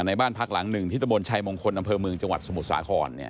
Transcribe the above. ในบ้านพักหลังหนึ่งที่ตะบนชายมงคลอำเภอเมืองจังหวัดสมุทรสาคร